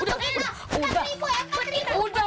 empat ribu ya untuk kita